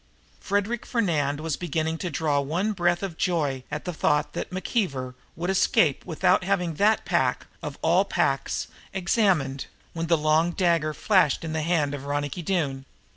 Frederic Fernand was beginning to draw one breath of joy at the thought that McKeever would escape without having that pack, of all packs, examined, when the long dagger flashed in the hand of Ronicky Doone.